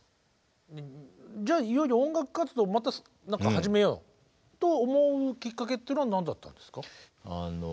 じゃあいよいよ音楽活動また始めようと思うきっかけって何だったんですか？